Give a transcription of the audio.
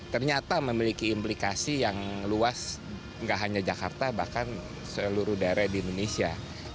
ternyata memiliki implikasi yang luas nggak hanya jakarta bahkan seluruh daerah di indonesia